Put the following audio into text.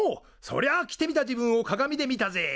そりゃあ着てみた自分を鏡で見たぜ。